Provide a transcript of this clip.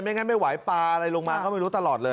งั้นไม่ไหวปลาอะไรลงมาก็ไม่รู้ตลอดเลย